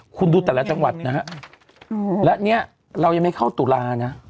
คุณดูแต่ละจังหวัดนะฮะและเนี่ยเรายังไม่เข้าตุลานะ